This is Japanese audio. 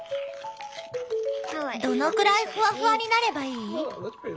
どのくらいフワフワになればいい？